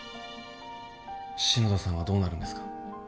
篠田さんはどうなるんですか？